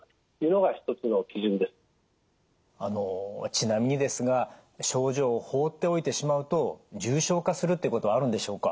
ちなみにですが症状を放っておいてしまうと重症化するということはあるんでしょうか？